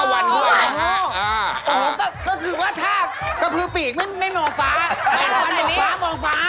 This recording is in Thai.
วิหกกระพือปีกครับ